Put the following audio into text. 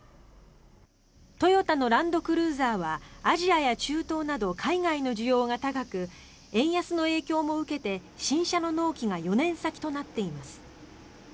トヨタのランドクルーザーはアジアや中東など海外の需要が高く円安の影響も受けて新車の納期が４年先となっています。